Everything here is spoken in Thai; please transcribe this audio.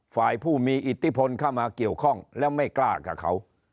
ฝ่ายผู้มีอิทธิพลเข้ามาเกี่ยวข้องแล้วไม่กล้ากับเขา